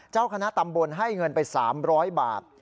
เจ้าคณะตำบลให้เงินไป๓๐๐บาท